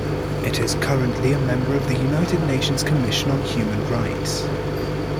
It is currently a member of the United Nations Commission on Human Rights.